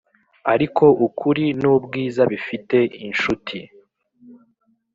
ariko ukuri nubwiza bifite inshuti